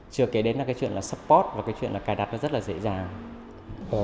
chừa kể đến chuyện support và cài đặt rất là dễ dàng